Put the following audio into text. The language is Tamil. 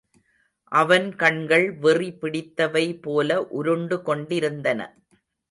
அவன் கண்கள் வெறி பிடித்தவை போல உருண்டு கொண்டிருந்தன.